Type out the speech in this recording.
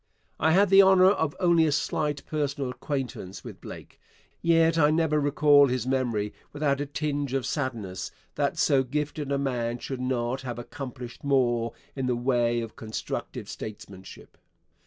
I had the honour of only a slight personal acquaintance with Blake, yet I never recall his memory without a tinge of sadness that so gifted a man should not have accomplished more in the way of constructive statesmanship.